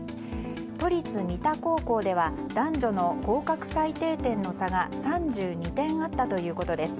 都立三田高校では男女の合格最低点の差が３２点あったということです。